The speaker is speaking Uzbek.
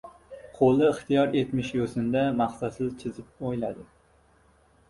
Qo‘li ixtiyor etmish yo‘sinda maqsadsiz chizib o‘yladi.